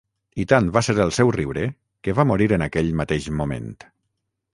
I tant va ser el seu riure, que va morir en aquell mateix moment.